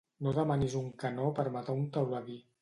No demanis un canó per matar un teuladí.